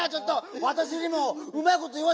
わたしにもうまいこといわせてくれよ！